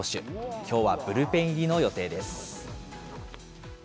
きょうはブルペン入りの予定です。